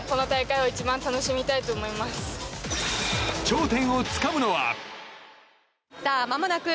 頂点をつかむのは。